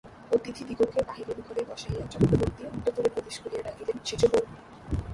অতিথিদিগকে বাহিরের ঘরে বসাইয়া চক্রবর্তী অন্তঃপুরে প্রবেশ করিয়া ডাকিলেন, সেজবউ!